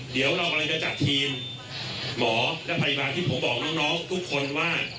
เดี๋ยวเรากำลังจะจัดทีมหมอและพยาบาลที่ผมบอกน้องทุกคนว่า